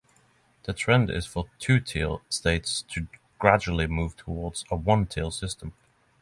The trend is for two-tier states to gradually move towards a one-tier system.